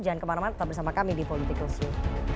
jangan kemana mana tetap bersama kami di politikalsyur